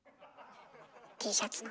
Ｔシャツの。